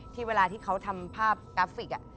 เวลาที่เขาทำภาพกราฟิก